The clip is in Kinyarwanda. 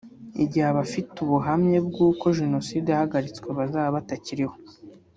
igihe abafite ubuhamya bw’uko jenoside yahagaritswe bazaba batakiriho